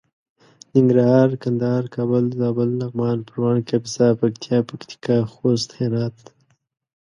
ننګرهار کندهار کابل زابل لغمان پروان کاپيسا پکتيا پکتيکا خوست هرات